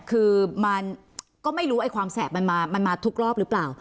คือมันก็ไม่รู้ไอ้ความแสบมันมาทุกรอบหรือเปล่า